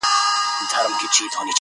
تش یو پوست وو پر هډوکو غوړېدلی٫